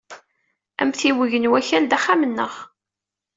Amtiweg n Wakal d axxam-nneɣ.